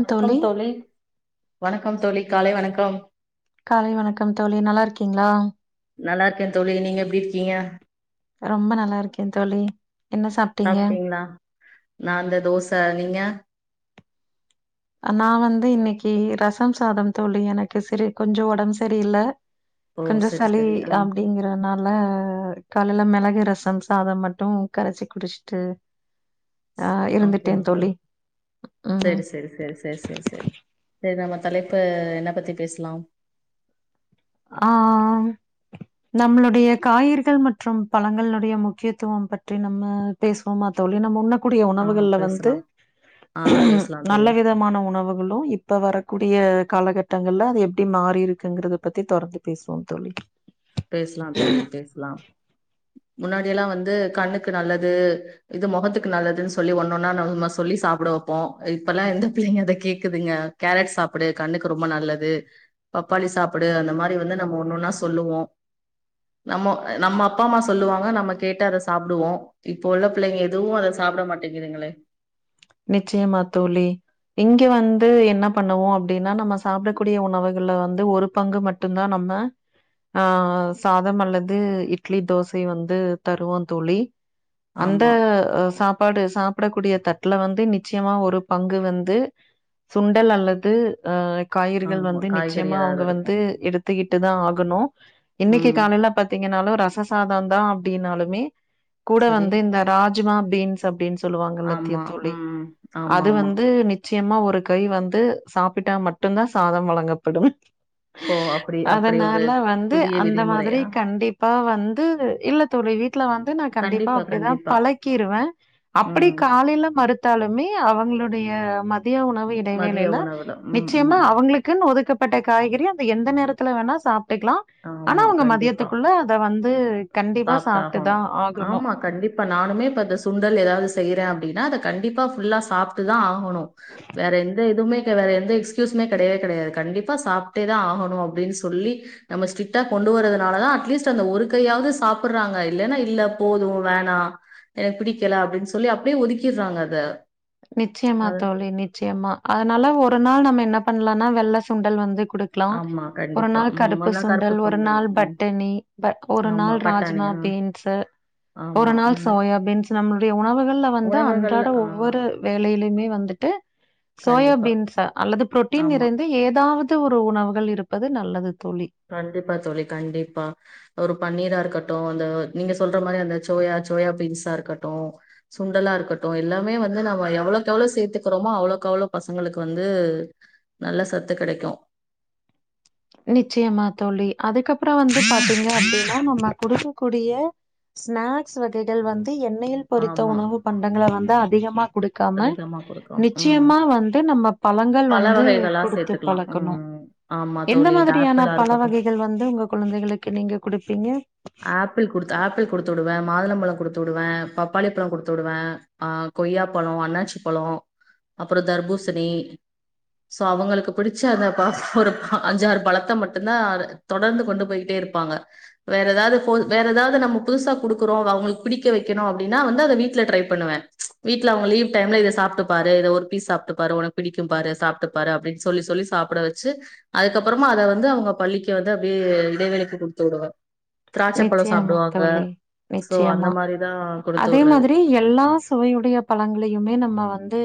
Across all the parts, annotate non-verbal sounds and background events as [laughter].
வணக்கம் தோழி வணக்கம் தோழி காலை வணக்கம் காலை வணக்கம் தோழி நல்லா இருக்கீங்ளா நல்லா இருக்கேன் தோழி நீங்க எப்டி இருக்கீங்க ரொம்ப நல்லா இருக்கேன் தோழி என்ன சாப்ட்டீங்க சாப்ட்டீங்களா நா அந்த தோச நீங்க நா வந்து இன்னைக்கி ரசம் சாதம் தோழி எனக்கு சரி கொஞ்சொ ஒடம் சரி இல்ல ஓ கொஞ்சொ சரி சளி சரி ஆ அப்டிங்கிறனால காலைல மெளகு ரசம் சாதம் மட்டு கரச்சி குடிச்சிட்டு ஆ இருந்துட்டே ஓகே ஓகே தோழி ம் செரி செரி செர் சேர் நம்ம தலைப்பு என்ன பத்தி பேஸ்லா அ அ அ நம்ளுடைய காயற்கள் மற்றும் பழங்களுடைய முக்கியத்துவம் பற்றி நம்ம பேசுவோமா தோழி நம்ம உண்ணக் கூடிய ஆ உணவுகள்ல வந்து பேசலாம் ஆ பேசலா நல்ல தோழி விதமான உணவுகளு இப்ப வரக்கூடிய காலகட்டங்கள்ல அது எப்டி மாறிருக்குங்குறது பத்தி தொடர்ந்து பேசுவோ தோழி பேசலா தோழி பேசலாம் முன்னாடியெல்லா வந்து கண்ணுக்கு நல்லது இது மொகத்துக்கு நல்லதுன் சொல்லி ஒண்ணு ஒண்ணா நம்ம சொல்லி சாப்ட வெப்போ இப்பல்லா எந்த பிள்ளைங்க அத கேக்குதுங்க கேரட் சாப்டு கண்ணுக்கு ரொம்ப நல்லது பப்பாளி சாப்புடு அந்த மாரி வந்து நம்ம ஒண்ணொன்னா சொல்லுவோ நம்மோ நம்ம அப்பா அம்மா சொல்லுவாங்க நம்ம கேட்டு அத சாப்டுவோ இப்ப உள்ள பிள்ளைங்க எதுவு அத சாப்ட மாட்டேங்குதுங்களே நிச்சயமா தோழி இங்க வந்து என்ன பண்ணுவோ அப்டின்னா நம்ம சாப்டக்கூடிய உணவுகள்ல வந்து ஒரு பங்கு மட்டுந்தா நம்ம ஆ சாதம் அல்லது இட்லி தோசை வந்து தருவோ தோழி அந்த ஆமா அ சாப்பாடு சாப் படக்கூடிய தட் ல வந்து நிச்சயமா ஒரு பங்கு வந்து சுண்டல் அல்லது ஆ காய்கறிகள் ஆமா வந்து காய்கறி நிச்சயமா ஏதாவது அவுங்க இருக்கு வந்து எடுத்துக்கிட்டு தா ஆ கணு இன்னைக்கு ம் காலில பாத்தீங்கன்னாலு ரச சாதோந்தா அப்டின்னாலுமே கூட சரி வந்து இந்த ரா ஜ்மா பீன்ஸ் அப்படின் சொல்லுவாங்கல்ல தி மா உம் ஆமாமா சயமா ஒரு கை வந்து சாப்பிட்டா மட்டுந்தா சாதம் வழங்கப்படும் ஓ அப்டி அப்டி ஒரு அதனால வந்து புதிய அந்த மாதிரி விதிமுறையா கண்டிப் பா வந்து இல்ல தோழி வீட் ல வந்து நா கண்டிப்பா அப்படி தா பழக்கிருவே ம் அப்படிக் மறுத்தாலுமே அவங்களுடைய ம மதிய உணவு மதிய இடைவேளில உணவுல ம் ம் நிச்சயமா ம். அவங்களுக்கு ஒதுக்க பட்ட காய்கறி அந்த எந்த நேரல வேணா சாப்ப ஆமா கண்டிப்பா அத வந்து கண்டிப்பா சாப்பிட்ட சாப்பிட்டு ஆகணும் தான் ஆகணும். ஆமா கண்டிப்பா நானுமே இப்ப இந்த சுண்டல் ஏதாவது செய்யறேன் அப்படினா அத கண்டிப்பா ஃபுல்லா சாப்பிட்டு தா ஆக போனும் வேற எந்த எதுவுமே வேற எந்த எக்ஸ்கயூஸுமே கிடையவே கிடையாது கண்டிப்பா சாப்பிட்டேதா ஆகணும் அப்படின்னு சொல்லி நம்ம ஸ்ட்ரிக்டா கொண்டு வரறதுனாலதா அட்லீஸ்ட் அந்த ஒரு கையாவது சாப்பிடுறாங்க இல்லன்னா இல்ல போதும் வேணாம் எனக்கு பிடிக்கல அப்படின்னு சொல்லி அப்படியே ஒதுக்கிடுறாங்க அத நிச்சயம்மா அத தோழி நிச்சயம்மா அதனால ஒரு நாள் நம்ம என்ன பண்ணலனா வெள்ள சுண்டல் வந்து கொடுக்கலாம் ஆமா ஒரு கண்டிப்பா நாள் ம் கருப்பு ஒன்னா சுண்டல் ஒரு நாள் ம் பட்டணி ஒரு ஆமா நாள் பட்டாணி ராஜ்மா ஆ பீன்ஸ்சு ஒரு ஆமா நாள் ம் சோயா பீன்ஸ் நம்மளுடைய உணவுகள்ல வந்து உணவுகள்ல அன்றாட ஆ ஒவ்வொரு வேலையிலயுமே வந்துட்டு கண்டிப்பா சோயாபீன்ஸ் அல்லது புரோட்டீன் ஆமா இருந்து ஏதாவது து ஒரு உணவுகள் இருப்பது நல்லது தோழி. கண்டிப்பா தோழி கண்டிப்பா ஒரு பன்னீராா இருக்க க்கட்டும் அந்த நீங்க சொல்ற மாதிரி அந்த சோயா சோயா பீன்ஸா இருக்கட்டும் சுண்டலா இருக்கட்டும் எல்லாமே வந்து நம்ம எவ்வளவுக்கு எவ்வளவு சேர்த்துக்கிறோமோ அவ்வளவுக்கு அவளோ பசங்களுக்கு வந்து நல்ல சத்து கிடைக்கும் நிச்சயமா தோழி அதுக்கப்புறம் வந்து பாத்தீங்க அப்படின்னா நம்ம கொடுக்கக்கூடிய ஸ்நாக்ஸ் வகைகள் வந்து எண்ணெயில் பொறித்த ஆமா. உணவு பண்டங்கள வந்து அதிகமாக குடுக்காம அதிகமா குடுக்கலாம். ம். நிச்சயமா வந்து நம்ம பழங்கள் பழ வந்து வகைகளா கொடுத்து சேத்துக்கலாம். பழக்கணும் ம். ஆமா எந்த தோழி. இது மாதிரியான ஆப்பிளா பல இருக்கட்டும். வகைகள் வந்து உங்க குழந்தைகளுக்கு நீங்கள் கொடுப்பீங்க ஆப்பிள் குடுத்து ஆப்பிள் குடுத்து விடுவே மாதுளம்பழம் குடுத்து விடுவே பப்பாளி பழம் கொடுத்து விடுவே ஆஹ் கொய்யாப்பழம் அண்ணாச்சி பழம் அப்புறம் தர்பூசணி சோ அவங்களுக்கு பிடிச்ச அந்த பா ஒரு அஞ்சாறு பழத்த மட்டும்தா தொடர்ந்து கொண்டு போயிட்டே இருப்பாங்க வேற ஏதாவது போ வேற ஏதாவது நம்ம புதுசா கொடுக்குறோம் அவங்களுக்கு பிடிக்க வக்கணும் அப்படின்னா வந்து அத வீட்டுல ட்ரை பண்ணுவேன் வீடல அவங்க லீவ் டைம்ல இத சாப்பிட்டு பாரு இத ஒரு பீஸ் சாப்பிட்டு பாரு உனக்கு பிடிக்கும் பாரு சாப்பிட்டு பாரு அப்படின்னு சொல்லி சொல்லி சாப்பிட வச்சு அதுக்கப்புறமா அத வந்து அவங்க பள்ளிக்கு வந்து அப்படியே இடைவெளிக்கு கொடுத்து விடுவே திராட்சை பழம் நிச்சயமா சாப்பிடுவாங்க தோழி. சோ அந்த நிச்சயமா. மாதிரிதா அதே மாதிரி எல்லா சுவையுடைய பழங்களையுமே நம்ம வந்து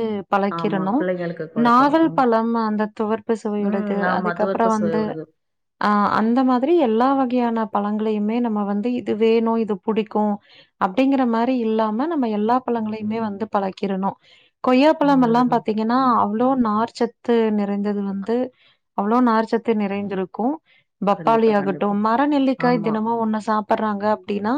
ஆமா பழக்கிரணும் பிள்ளைங்களுக்கு நாவல் கொலைக்கிறோம் பழம் அந்த துவர்ப்பு சுவையுடது ம் ஆமா துவர்ப்பு அதுக்கப்புறம் சுவை வந்து விடுது ஆஹ் அந்த மாதிரி எல்லா வகையான பழங்கள் மே நம்ம வந்து இது வேணும் இது புடிக்கும் அப்படிங்கிற மாதிரி இல்லாம நம்ம எல்லா பழங்களையுமே வந்து பழக்கிடணும் கொய்யாப்பழம் எல்லாம் நல்லதுதான் பார்த்தீங்கன்னா அவ்வளோ நார்ச்ச நிறைந்தது வந்து அவ்வளோ நார்ச்சத்த நிறைந்திருக்கு பப்பாளி கண்டிப்பா கண்டிப்பா ஆகட்டும் மர நெல்லிக்காய் ஆமா. தினமும் ஒன்ன சாப்ப பறாங்க அப்படின்னா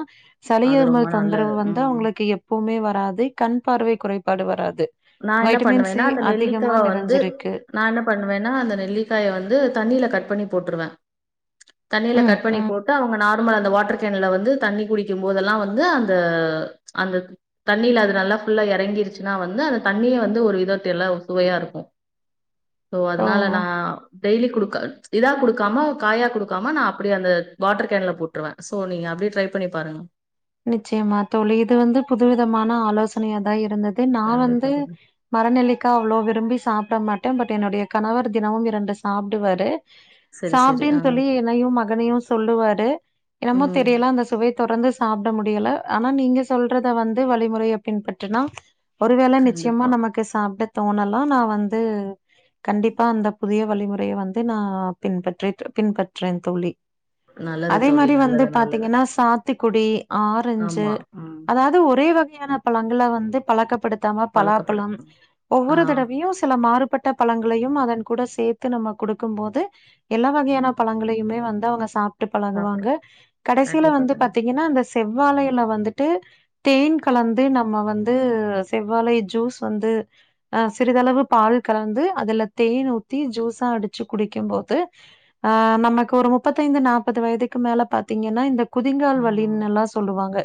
சலைய அது ரொம்ப தொந்தரவு நல்லது. வந்து ம். அவங்களுக்கு எப்பவுமே வராது கண் பார்வை குறைபாடு வராது நா என்ன வைட்டமின் பண்ணுவேன்னா சி அந்த அதிகமா நெல்லிக்காவ வந்து நிறைஞ்சிருக்கு. நா என்ன பண்ணுவேன்னா அந்த நெல்லிக்காய வந்து தண்ணியில கட் பண்ணி போட்டு போடுவே தண்ணில ம், கட் பண்ணி ம். போட்டு அவுங்க நால் அந்த வாட்டர் கேன்ல வந்து தண்ணி குடிக்கும்பதெல்லாம் வந்து அந்த அந்த தண்ணில அது நல்லா இறங்கிருச்சுன்னா வந்து அந்த தண்ணிய வந்து ஒரு இத தெல்ல சுவையா இருக்கூ சோ ஓ! அதனால நா டெய்லி குடு இதா குடுக்காம காயா குடுக்காம நா அப்டி அந்த வாட்டர் கேன்ல போட்டுருவே சோ நீங்க அப்டியே ட்ரை பண்ணி பாருங்க நிச்சயமா தோழி இது வந்து புது விதமான ஆலோசனைய தா இருந்தது நா வந்து கண்டிப்பா, கண்டிப்பா. மரநெல்லிக்கா அவ்ளோ விரும்பி சாப்பிட மாட்டே பட் என்னுடைய கணவர் தினமு ரெண்டு சாப்புடுவரு சரி, சரி. ஆ. சாப்டுன்னு சொல்லி என்னையு மகனையு சொல்லுவாரு என்னமோ ம். தெரியலா அந்த சுவை தொடங்க சாப்ட்ட முடியல ஆனா நீங்க சொல்றத வந்து வழிமுறைய பின்பற்றினா ஒரு வேல நிச்சயமா கண்டிப்பா. நமக்கு சாப்ட தோணலா நா வந்து கண்டிப்பா அந்த புதிய வழிமுறைய வந்து நா பின்பற்றி பின்பற்றறேன் தோழி நல்லது அதே தோழி. மாரி வந்து நல்லது, நல்லது. பாத்தீங்கன்னா சாத்து குடி ஆரஞ்சு ஆமா. ம். அதாவது ஒரே வ கையான பழங்கள வந்து பழக்கப்படுத்த பலாப்பழம் பழக்கப்படுத்தணும். ஆ ஒவ்வொரு தடவையும் சில மாறு பட்ட பழங்களையும் அதன் கூட சேத்து நம்ம குடுக்கும் போது எல்லா வகையான பழங்களையுமே வந்து அவுங்க சாப் பழகுவாங்க சாப்பிடுறோம். கடைசியில கண்டிப்பா, வந்து கண்டிப்பா. அந்த செவ்வாழையில வந்துட்டு தேன் கலந்து நம்ம வந்து செவ்வாழ ஜூஸ் வந்து அஹ் சிறிதளவு பால் கலந்து அதுல தேன் ஊத்தி ஜூஸா அடிச்சு குடிக்கும் போது அ நமக்கு ஒரு முப்பத்தைந்து நாற்பது வயதுக்கு மேல பாத்தீங்கன்னா இந்த குதிங்கால் ஆமா. வழிலின் எல்லா சொல்லுவாங்க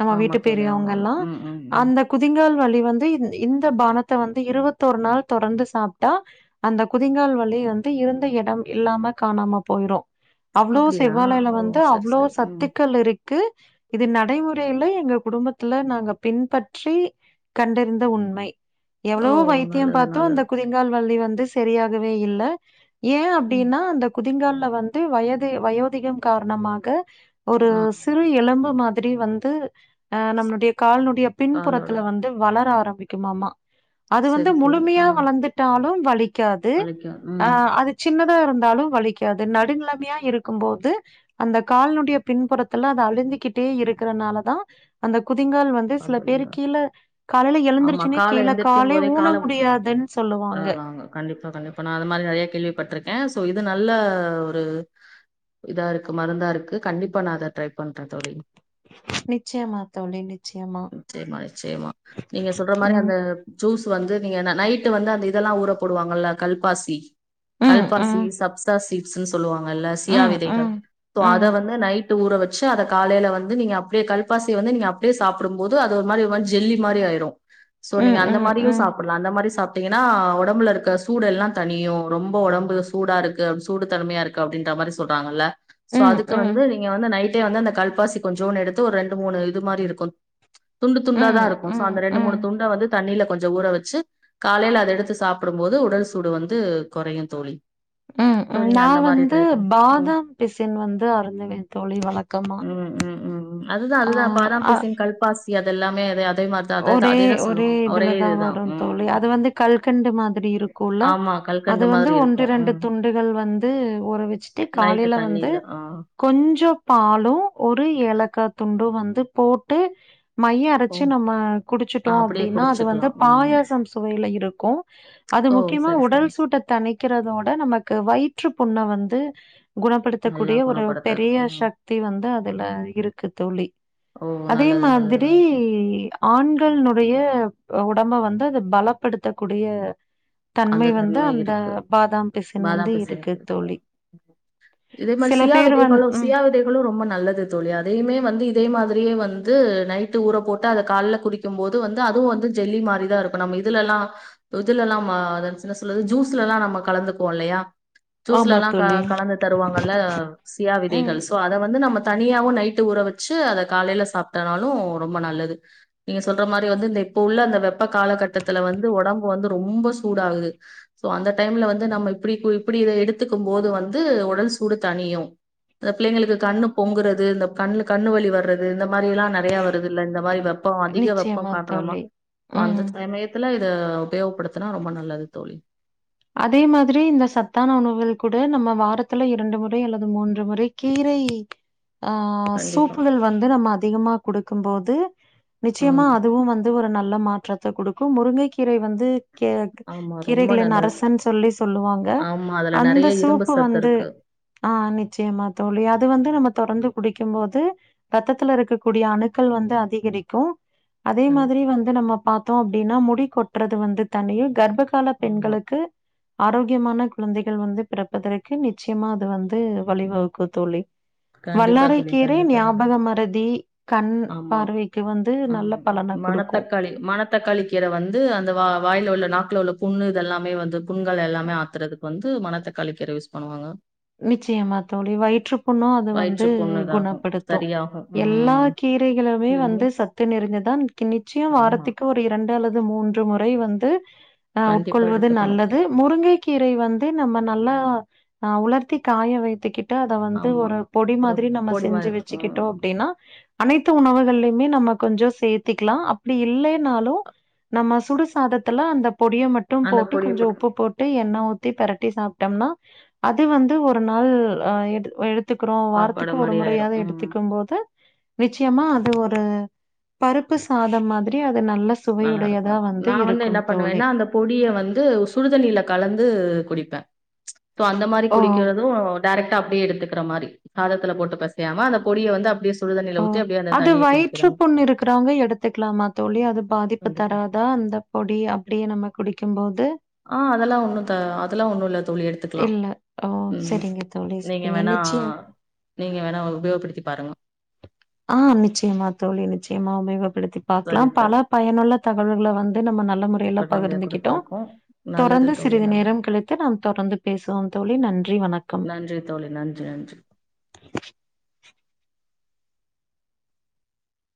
நம்ம ஆமா வீட்டு தோழி. ஆமாமா. பெரியவங்கல்லா ம், ம், ம். அந்த குதிங்கால் வலி வந்து இந்த பானத்த வந்து இருபத்தோரு நாள் தொடர்ந்து சாப்ட்டா அந்த குதிங்கால் வலி வந்து இருந்த இடம் இல்லாம காணாம போயிரும் அவ்வளோ அப்படியா? செவ்வாழைல ஓ! வந்து சரி, அவ்வளோ சரி. ம். சத் இருக்கு இது நடைமுறையில எங்க குடும்பத்துல நாங்க பின்பற்றி கண்டறிந்த உண்மை ஓ! எவ்வளவோ வைத்தியம் நல்லது, பாத்தோ அந்த நல்லது. குதிங்கால் வலி வந்து வந்து செரியாகவே இல்ல ஏன் ம். அப்டின்னா அந்த குதிங்கால்ல வந்து வயது வயோதிகம் காரணமாக ஒரு ஆ. சிறு எலும்பு மா திரி வந்து அஹ் நம்மளுடைய கால்னுடைய காலோட பின்புறத்துல வந்து வளர ஆரம்ப விக்குமாமா அது வந்து சரி, சரி. முழுமையா ஆ. வளர்ந்துட்டாலும் விலி க்காது வலிக்கும். ம். அது சின்ன இருந்தாலும் வலிக்காது நடுநிலமையா இருக்கும்போது அந்த கால்னுடைய பின்புறத்துல அதை அழிந்துக்கிட்டே இருக்கறனால தான் அந்த குதிங்கால் வந்து கால் சில வலி பேர் வரும். கீழே காலையில ஆமா. எழுந்துருச்சுன்னே கால கீழே காலே எந்திரிக்கும்போதே ஊன கால முடியாதுன்னு சொல்லுவாங்க தர்றாங்க. கண்டிப்பா, கண்டிப்பா. நான் அது மாரி நெறைய கேள்விப்பட்டிருக்கேன். சோ இது நல்ல ஒரு இதா இருக்கு மருந்தா இருக்கு கண்டிப்பா நான் அதை ட்ரை பண்றேன் தோழி நிச்சயமா தோழி, நிச்சயமா. நிச்சயமா நிச்சயமா நீங்க சொல்ற மாரி ம். அந்த ஜூஸ் வந்து நீங்க நைட்டு வந்து அந்த இதெல்லாம் ஊறப்படுவாங்கல்ல கல்பாசி ம், கல்ப்பாசி ம். சப்தா சி சி சொல்லுவாங்கல்ல சியா ம், விதைகள் ம். அத ம். வந்து நைட் ஊற வச்சு அத காலையில வந்து நீங்க அப்படியே கல்பாசி வந்து நீங்க அப் அப்டியே சாப்டும்போது அது ஒரு மாரி ஒரு மாரி ஜெல்லி மாரி ஆயிரும் சோ நீங்க ம், அந்த ம், மாரியும் ம். சாப்டலாம் அந்த மாரி சா பாத்தீங்கன்னா உடம்புல இருக்க சூடு எல்லாம் தனியும் ரொம்ப உடம்பு சூடா இருக்கு சூடு தனமையா இருக்கு அப்படின்ற மாதிரி சொல்றாங்கல்ல சோ ம், அதுக்கு ம். வந்து நீங்க வந்து நைட் வந்து அந்த கல்பாசி கொஞ்சோனு எடுத்து ஒரு ரெண்டு மூணு இது மாரி இருக்கும் துண்டு துண்டாதான் ம், இருக்கும் சோ ம், அந்த ரெண்டு மூணு ம், துண்ட வந்து தண்ணியில கொஞ்சம் ஊற வச்சு காலையில அதை எடுத்து சாப்பிடும் போது உடல் சூடு வந்து குறையும் தோழி ம் சோ ம் நீங்க நான் அந்த மாரி வந்து ட்ரை பண்ணு ம் பாதாம் பிசின் வந்து அறி்சவேன் தோழி வழக்கமா ம் ம் ஆ ஆ [unintelligible] அதெல்லாமேது ஒரே ஒரே இதுலதான் வரும் தோழி ம் அது வந்து கல்கண்டு மாதிரி இருக்கும்ல ஆமா அது கல்கண்டு வந்து மாதிரி ஒன்று இருக்கு ரெண்டு ம் துண்டுகள் வந்து ஊறவிச்சுட்டு நைட்டு காலையில வந்து தண்ணில ஆ கொஞ்சம் பாலும் ஒரு ஏலக்காய் துண்டும் வந்து இது போட்டு மையை ஓ அரைச்சு நம்ம ஆ குடிச்சட்டோ ஆ அப்டியே அப்படின்னா அது குடிச்சுக்கலா வந்து ம் பாயசம் சுவையில் இருக்கும் அது ஓ முக்கியமா சரி உடல் சரி சூட்டை தணிக்கிறதோட நமக்கு வயிற்று புண்ண வந்து நல்லா குணப்படுத்தக்கூடிய ஒரு குணப்படுத்த பெரிய ம் சக்தி வந்து அதுல இருக்கு தோழி ஓ அதே நல்லது நல்லது மாதிரி நல்லது ஆண்கினுடைய உடம்ப வந்து அதை பலப்படுத்தக்கூடிய அந்த வந்து தன்மை அந்த இருக்கு பாதாம் பிசின் வந்து இருக்கு பாதாப்பிசினுக்கு தோழி. இதே மாரி சில சுயா பேர் வந் விதைகளும் ம். சுயா விதைகளும் ரொம்ப நல்லது தோழி அதையுமே வந்து இதே மாதிரி வந்து நைட்டு ஊற போட்டு அத காலல குடிக்கும் போது வந்து அதுவும் வந்து ஜெல்லி மாரிதான் இருக்கும் நம்ம இதுல எல்லாம் இதுல எல்லாம் [unintelligible] சொல்லது ஜூஸ்ல எல்லாம் நம கலந்துக்வோம் இல்லையா ஆமா ஜூஸ்லல்லாம் தோழி. கலந்து தருவாங்கல்ல சியா ம். விதைகள் சோ அத வந்து நம்ம தனியாவும் நைட்டு ஊற வச்சு அதை காலையில சாப்ட்டனாலும் ரொம்ப நல்லது நீங்க சொல்ற மாரி வந்து இந்த இப்ப உள்ள அந்த வெ ப காலகட்டத்தில் வந்து உடம்பு வந்து ரொம்ப சுடாகுது சோ அந்த டைம்ல வந்து நம்ம இப்டி கு இப்டி எடுத்துக்கு போது வந்து உடல் சூடு தணியு பிள்ளைங்களுக்கு இந்த கண்ணு பொங்குறது இந்த கண்ணுல கண்ணு வலி வர்றது இந்த மாரில்லா நெறைய வருதில்ல இந்த மாரி வெப்போ அதிக வெப்போ நிச்சயமா காண்றோமா தோழி. சோ ம். அந்த சமயத்துல உபயோகப்படுத்தினா ரொம்ப நல்லது தோழி அதே மாதிரி இந்த சத்தான உணவுகள் கூட நம்ம வாரத்துல இரண்டு முறை அல்லது மூன்று முறை கீரை ஆ கண்டிப்பா சூப்புகள் வந்து நம்ம அதிகமா குடுக் கும்போது நிச்சயமா ம் அதுவும் வந்து ஒரு நல்ல நல்ல மாற்றத்த குடுக்கு முருங்கைக்கீரை வந்து கீரை ஆமா ரொம்ப கீரைகளின் நல்லது அரசு னு சொல்லி சொல்லுவாங்க ஆமா அதுல அந்த நெறைய இரும்பு சூப்பு சத்து வந்து இருக்கு ஆஹ் நிச்சியமா தோழி அது வந்து நம்ம தொடர்ந்து வந்து குடிக்கும்போது ரத்தத்துல இருக்கக்கூடிய அணுக்கள் வந்து அதிகரிக்கு அதே கண்டிப்பா மாதிரி வந்து நம்ம பா த்தோ அப்டின்னா முடி கொட்டறது வந்து தனியு கர்ப்ப கால ஆமா பெண்களுக்கு ஆரோக்கியமான குழந்தைகள் வந்து பிறப்பதற்கு நிச்சியமா அது வந்து வழிவகுக்கு தோழி கண்டிப்பா வல்லாறைக் தோழி கீரை கண்டிப்பா கண்டிப்பா ஞாபகமறதி ஆமா உம் பலன குடுக்கும். மணத்தக்காளி மணத்தக்காளி கீர வந்து அந்த வா வாயில உள்ள நாக்குல உள்ள புண்ணு இததெல்லாமே வந்து புண்கள் எல்லாமே ஆத்துறதுக்கு வந்து மணத்தக்காளி கீரை யூஸ் பண்ணுவாங்க நிச்சயமா தோழி வயிற்று புண்ணு அது வந்து வயிற்று புண் இதாகும். குணப்படுத்து சரியாகும். எல்லா ம். கீர களுமே இல்லையுமே வந்து சத்து நெறஞ்சதுதா நிச்சயம் ஆமா. வாரத்துக்கு ஒரு இரண்டு இரண்டு அல்லது மூன்று முறை வந்து ஆஹ் கண்டிப்பா உட்கொள்வது எடுத்துக்கணும். நல்லது முருங்கை கீரை வந்து நம்ம நல்லா நா உலர்த் த்தி காய வைத்துக்கி ட்டு அத வந்து ஆமா. ஒரு பொடி ஒரு மாதிரி நம்ம பொடி மாரி செஞ்சு இருக்கும். வச்சுக்கிட்டோ ம். அப்டின்னா அனைத்து உணவுகள்லைமே நம்ம கொஞ்சொ சேர்த்திக்லா அப்டி இல்லைனாலு நம்ம சுடுசாதத்துல அந்த பொடிய மட்டு அந்த போட்டு பொடிய கொஞ்சொ உப்பு போட்டு எண்ணெ ஊத் தி பெரட்டி சாப்டம்னா அது வந் து ஒரு நாள் அ எடு எடுத் துக்றோ சாப்பாடு வாரத்துக்கு ஒரு மாரி ஆயிரும். முறையாவது ம். எடுத்துக்கும் போது நிச்சயமா அது ஒரு பருப்பு சாதம் மாதிரி அத் நல்லாருக்கு நா வந்து என்ன தோழி. பண்ணுவேனா அந்த பொடிய வந்து சுடுதண்ணீல கலந்து குடிப்பே ச் சோ அந்த மாரி ஓ! குடிக்கிறது டேரக்டா அப்டியே எடுத்துக்குற மாரி சாதத்துல போட்டு பெசையாம அந்த பொடிய வந்து அப்டியே சுடுதண்ணில ஓ ஊத்தி அப்டியே அந்த அது தண்ணிய குடிக்கிற வயிற்று மாரி புண்ணு இருக்குறவங்க எடுத்துக்கலாமா தோழி அது பாதிப்பு கண்டிப்பா தராதா அந்த பொடி அப்படியே நமக்கு குடிக்கும்போது ஆஹ் அதெல்லா ஒண்ணு த அதெல்லா ஒண்ணு இல்ல தோழி எடுத்துக்கலா இல்ல. ஓ! உம் சரிங்க தோழி, நீங்க சரிங்க. வேணா நிச்சயம் நீங்க வேணா உபயோகப்படுத்தி பாருங்க ஆ நிச்சயமா தோழி நிச்சயமா [unintelligible] எடுத்தி சரி பார்க்கலாம் பல தோழி பயனுள்ள தகவல்கள வந்து நம்ம நல் ல முறைல உடனடியா பகிர்ந்துக்கிட்டோ குடுத்துருக்கோ நல்லது தொடர்ந்து தோழி சிறிது நல்லது நேரம் கழித்து நாம் தொடர்ந்து பேசுவோம் தோழி நன்றி வணக்கம் நன்றி தோழி நன்றி நன்றி